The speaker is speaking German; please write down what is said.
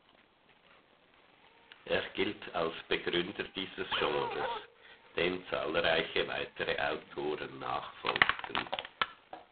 Er gilt als Begründer dieses Genres, dem zahlreiche weitere Autoren nachfolgten.